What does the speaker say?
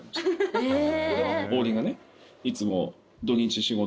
へぇ。